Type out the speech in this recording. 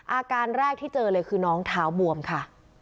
อาการแรกที่เจอเลยคือน้องเท้าบวมค่ะ